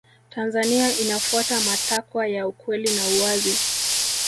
tanzania inafuata matakwa ya ukweli na uwazi